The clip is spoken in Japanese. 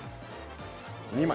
２枚。